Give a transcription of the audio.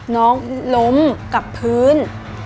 น้องล้มกับพื้น